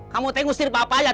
kamu tengok sendiri bapak aja